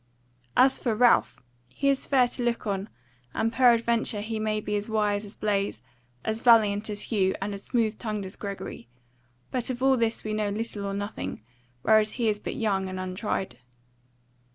As for Ralph, he is fair to look on, and peradventure he may be as wise as Blaise, as valiant as Hugh, and as smooth tongued as Gregory; but of all this we know little or nothing, whereas he is but young and untried.